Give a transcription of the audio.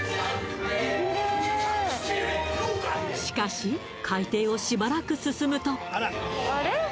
しかし海底をしばらく進むとあれ？